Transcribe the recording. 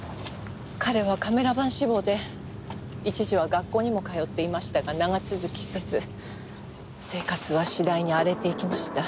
彼はカメラマン志望で一時は学校にも通っていましたが長続きせず生活は次第に荒れていきました。